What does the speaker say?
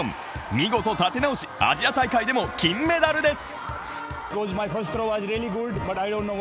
見事、立て直しアジア大会でも金メダルです。